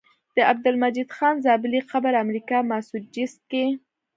د عبدالمجيد خان زابلي قبر امريکا ماسوچست کي